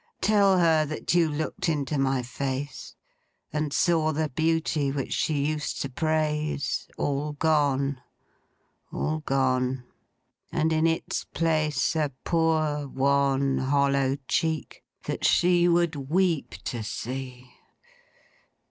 Tell her that you looked into my face, and saw the beauty which she used to praise, all gone: all gone: and in its place, a poor, wan, hollow cheek, that she would weep to see.